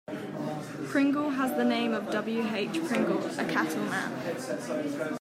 Pringle has the name of W. H. Pringle, a cattleman.